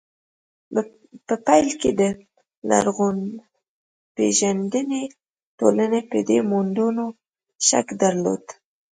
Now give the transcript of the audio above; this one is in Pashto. په پيل کې د لرغونپېژندنې ټولنې په دې موندنو شک درلود.